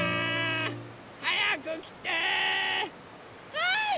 はい！